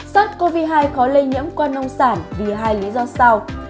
sars cov hai khó lây nhiễm qua nông sản vì hai lý do sau